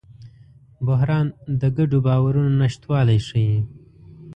بحران د ګډو باورونو نشتوالی ښيي.